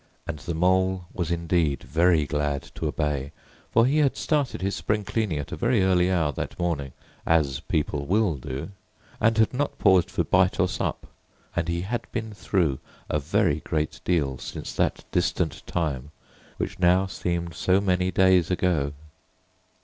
and the Mole was indeed very glad to obey, for he had started his spring cleaning at a very early hour that morning, as people will do, and had not paused for bite or sup; and he had been through a very great deal since that distant time which now seemed so many days ago.